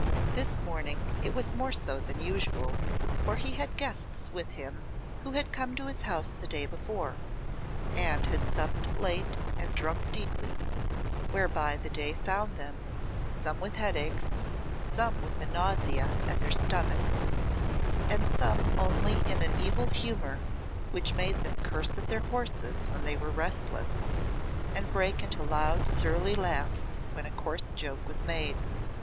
This morning it was more so than usual, for he had guests with him who had come to his house the day before, and had supped late and drunk deeply, whereby the day found them, some with headaches, some with a nausea at their stomachs, and some only in an evil humour which made them curse at their horses when they were restless, and break into loud surly laughs when a coarse joke was made.